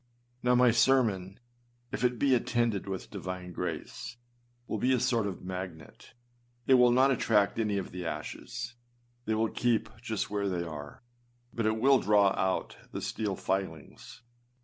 Now, my sermon if it be attended with divine grace, will be a sort of magnet: it will not attract any of the ashes â they will keep just where they are â but it will draw out the steel filings.